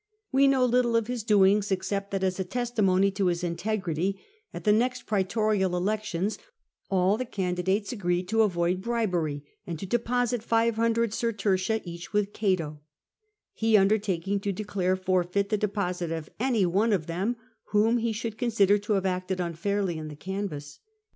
We know little of his doings except that, as a testimony to his integrity, at the next praetorial elections all the candidates agreed to avoid bribery and to deposit 500 sertertia each with Oato, he undertaking to declare forfeit the deposit of any one of them whom lie should consider to have acted unfairly in the canvass.